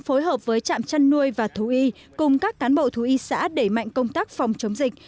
phối hợp với trạm chăn nuôi và thú y cùng các cán bộ thú y xã đẩy mạnh công tác phòng chống dịch